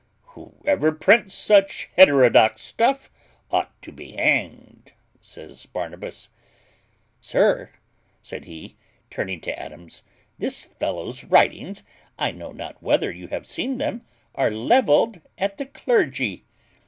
"Whoever prints such heterodox stuff ought to be hanged," says Barnabas. "Sir," said he, turning to Adams, "this fellow's writings (I know not whether you have seen them) are levelled at the clergy.